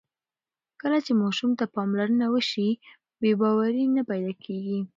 کله چې ماشوم ته پاملرنه وشي، بې باوري نه پیدا کېږي.